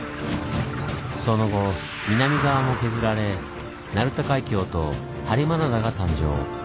その後南側も削られ鳴門海峡と播磨灘が誕生。